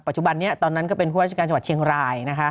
จุบันนี้ตอนนั้นก็เป็นผู้ราชการจังหวัดเชียงราย